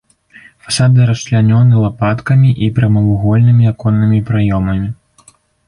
Фасады расчлянёны лапаткамі і прамавугольнымі аконнымі праёмамі.